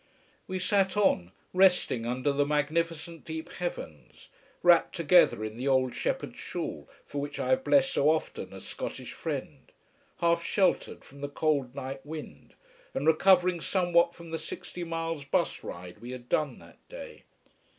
We sat on, resting under the magnificent deep heavens, wrapped together in the old shepherd's shawl for which I have blessed so often a Scottish friend, half sheltered from the cold night wind, and recovering somewhat from the sixty miles bus ride we had done that day.